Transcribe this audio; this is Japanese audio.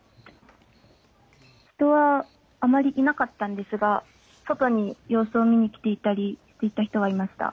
人はあまりいなかったのですが外に様子を見に行っていたりしていた人はいました。